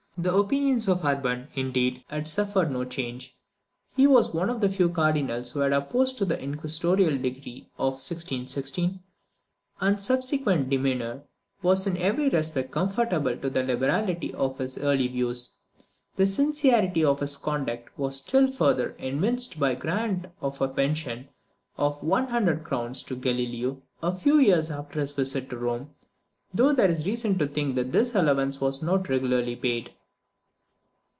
The opinions of Urban, indeed, had suffered no change. He was one of the few Cardinals who had opposed the inquisitorial decree of 1616, and his subsequent demeanour was in every respect conformable to the liberality of his early views. The sincerity of his conduct was still further evinced by the grant of a pension of one hundred crowns to Galileo, a few years after his visit to Rome; though there is reason to think that this allowance was not regularly paid.